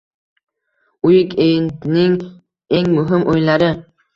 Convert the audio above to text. Uik-endning eng muhim o‘yinlari